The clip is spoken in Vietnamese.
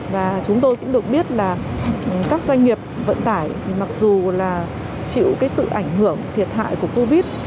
và chúng tôi cũng được biết là các doanh nghiệp vận tải thì mặc dù là chịu cái sự ảnh hưởng thiệt hại của covid